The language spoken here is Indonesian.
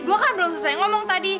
gue kan belum selesai ngomong tadi